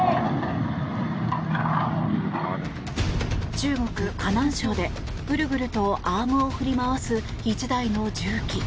中国河南省でぐるぐるとアームを振り回す１台の重機。